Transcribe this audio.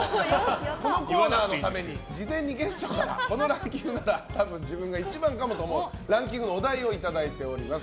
このコーナーのために事前にゲストからこのランキングなら多分自分が１番かもと思うランキングのお題をいただいております。